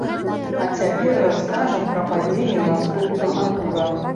А цяпер раскажам пра падзеі наступнага тура.